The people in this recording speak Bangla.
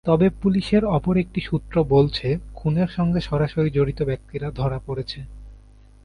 তবে পুলিশের অপর একটি সূত্র বলছে, খুনের সঙ্গে সরাসরি জড়িত ব্যক্তিরা ধরা পড়েছে।